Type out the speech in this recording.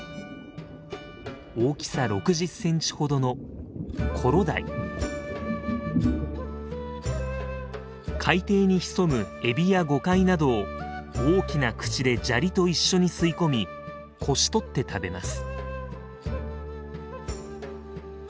大きさ６０センチほどの海底に潜むエビやゴカイなどを大きな口で砂利と一緒に吸い込みこし取って食べます。